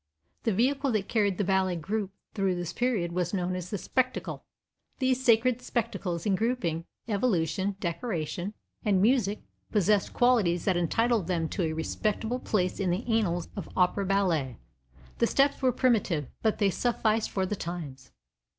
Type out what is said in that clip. The vehicle that carried the ballet through this period was known as the "spectacle." These sacred spectacles, in grouping, evolution, decoration and music, possessed qualities that entitle them to a respectable place in the annals of opera ballet. The steps were primitive, but they sufficed for the times.